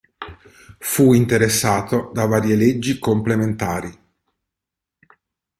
Fu interessato da varie leggi complementari.